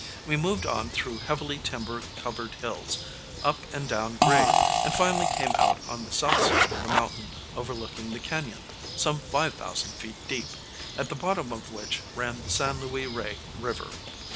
We moved on through heavily timber covered hills, up and down grade, and finally came out on the south side of the mountain overlooking the canyon, some 5000 feet deep, at the bottom of which ran the San Luis Rey River.